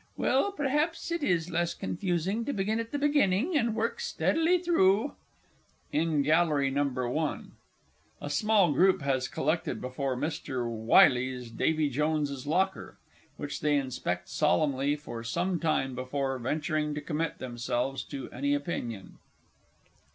Well, perhaps it is less confusing to begin at the beginning, and work steadily through. IN GALLERY NO. I. _A small group has collected before Mr. Wyllie's "Davy Jones's Locker," which they inspect solemnly for some time before venturing to commit themselves to any opinion.